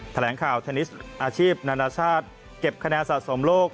แถลงข่าวเทนนิสอาชีพนานาชาติเก็บคะแนนสะสมโลก